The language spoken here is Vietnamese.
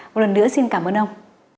một lần nữa xin cảm ơn ông